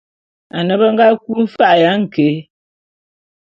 Ane be nga kui mfa'a ya nké.